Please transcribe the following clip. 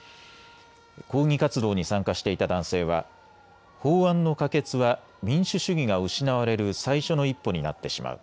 抗議活動に参加していた男性は法案の可決は民主主義が失われる最初の一歩になってしまう。